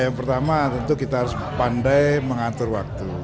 yang pertama tentu kita harus pandai mengatur waktu